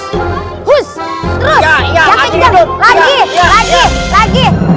huss terus yang kenceng